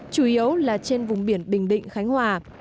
chủ yếu là trên vùng biển bình định khánh hòa